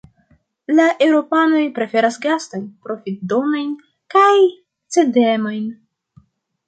La eŭropanoj preferas gastojn profitdonajn kaj cedemajn.